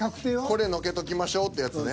これのけときましょってやつね。